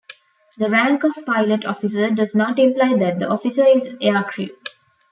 The rank of pilot officer does not imply that the officer is aircrew.